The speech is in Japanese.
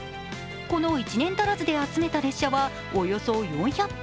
この１年足らずで集めた列車はおよそ４００本。